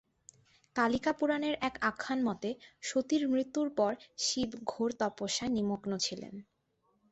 কালিকা পুরাণের এক আখ্যান মতে, সতীর মৃত্যুর পর শিব ঘোর তপস্যায় নিমগ্ন ছিলেন।